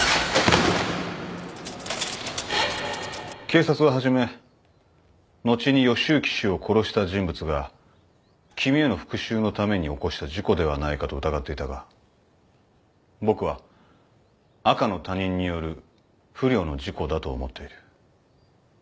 警察は初め後に義之氏を殺した人物が君への復讐のために起こした事故ではないかと疑っていたが僕は赤の他人による不慮の事故だと思っている。